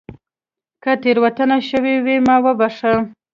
که تېروتنه شوې وي ما وبښئ